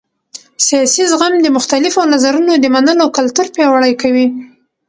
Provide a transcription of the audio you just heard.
سیاسي زغم د مختلفو نظرونو د منلو کلتور پیاوړی کوي